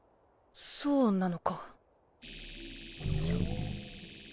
そうなのか。